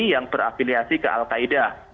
yang berafiliasi ke al qaeda